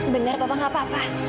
benar papa enggak apa apa